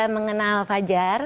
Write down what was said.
saya mengenal fajar